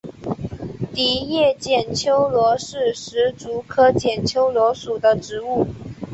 狭叶剪秋罗是石竹科剪秋罗属的植物。